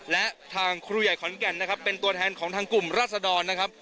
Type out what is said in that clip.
และทางครูใหญ่ขอนแก่นนะครับเป็นตัวแทนของทางกลุ่มราศดรนะครับ